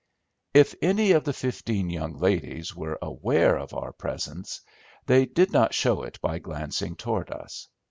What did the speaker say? If any of the fifteen young ladies were aware of our presence, they did not show it by glancing toward us.